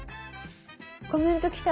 コメント来た。